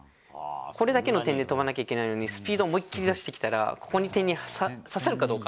これだけの点で跳ばなきゃいけないのにスピードを思いきり出したらこの点に刺さるかどうか。